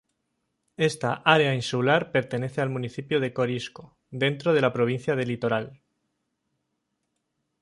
Esta área insular pertenece al municipio de Corisco dentro de la provincia de Litoral.